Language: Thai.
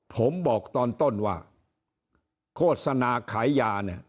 ผมบอกตอนต้นว่าโฆษณาขายยาเนี่ย